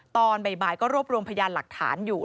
ตอนบ่ายก็รวบรวมพยานหลักฐานอยู่